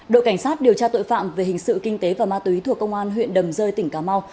đội cảnh sát điều tra tội phạm về hình sự kinh tế và ma túy thuộc công an huyện đầm rơi tỉnh cà mau